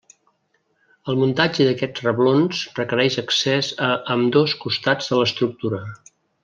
El muntatge d'aquests reblons requereix accés a ambdós costats de l'estructura.